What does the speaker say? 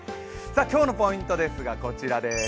今日のポイントですが、こちらです。